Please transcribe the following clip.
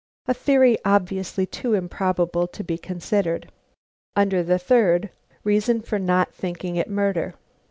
(A theory obviously too improbable to be considered.) Under the third: _Reason for not thinking it murder.